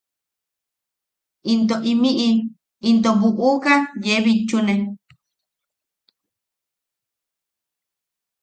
Into imiʼi into buʼuka yee bitchune.